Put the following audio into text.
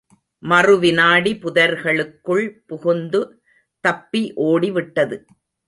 மறு விநாடி புதர்களுக்குள் புகுந்து தப்பி ஓடிவிட்டது!